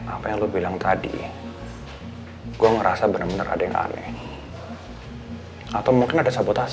apa yang gue bilang tadi gue ngerasa bener bener ada yang aneh atau mungkin ada sabotase